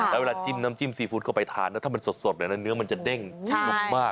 และเวลาจิ้มซีแฟวต์เข้าไปทานถ้ามันสดนื้อมันจะเด้งมาก